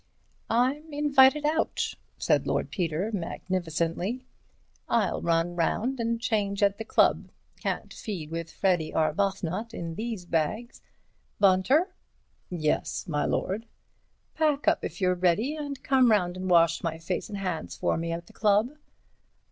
"I'm invited out," said Lord Peter, magnificently. "I'll run round and change at the club. Can't feed with Freddy Arbuthnot in these bags; Bunter!" "Yes, my lord." "Pack up if you're ready, and come round and wash my face and hands for me at the club."